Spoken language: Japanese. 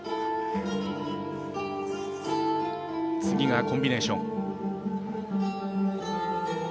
次がコンビネーション。